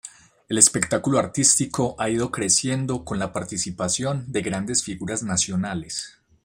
El espectáculo artístico ha ido creciendo con la participación de grandes figuras nacionales.